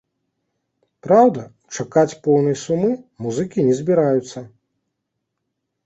Праўда, чакаць поўнай сумы музыкі не збіраюцца.